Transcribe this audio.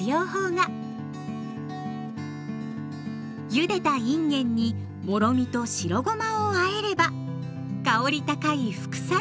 ゆでたいんげんにもろみと白ごまをあえれば香り高い副菜のできあがりです。